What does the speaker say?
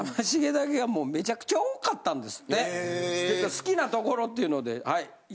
好きなところっていうのではい！